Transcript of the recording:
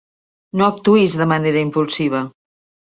No actuïs de manera impulsiva.